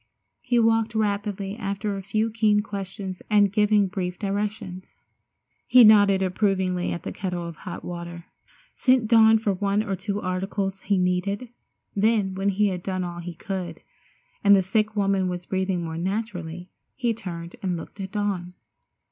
He walked rapidly asking a few keen questions and giving brief directions. He nodded approvingly at the kettle of hot water, sent Dawn for one or two articles he needed, then when he had done all he could, and the sick woman was breathing more naturally, he turned and looked at Dawn.